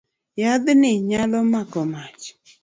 Yath ni nyalo mako mach.